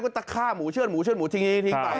ตะฆ่าหมูเชื่อดหมูเชื่อดหมูทิ้งไป